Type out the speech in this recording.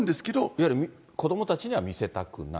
いわゆる子どもたちには見せたくない？